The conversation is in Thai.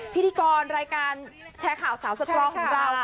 พิธีกรรายการแชร์ข่าวสาวสตรองของเรา